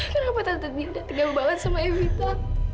kenapa tante dina tegang banget sama evita